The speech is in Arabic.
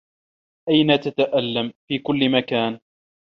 أين تتألّم؟ "في كلّ مكان."